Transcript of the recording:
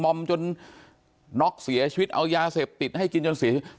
มอมจนน็อกเสียชีวิตเอายาเสพติดให้กินจนเสียชีวิต